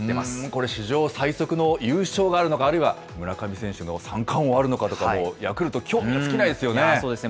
これ、史上最速の優勝があるのか、あるいは村上選手の３冠王あるのかとか、ヤクルト、興味尽きないそうですね。